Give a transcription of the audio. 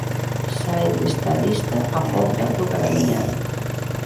Sae desta lista a Pobra do Caramiñal.